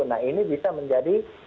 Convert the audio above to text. nah ini bisa menjadi